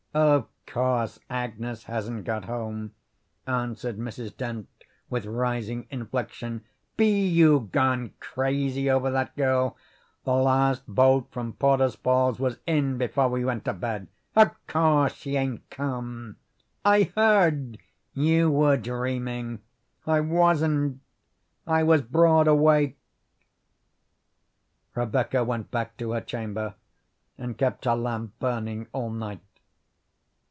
"Of course Agnes hasn't got home," answered Mrs. Dent with rising inflection. "Be you gone crazy over that girl? The last boat from Porter's Falls was in before we went to bed. Of course she ain't come." "I heard " "You were dreaming." "I wasn't; I was broad awake." Rebecca went back to her chamber and kept her lamp burning all night.